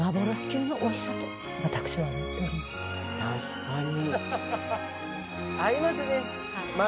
確かに。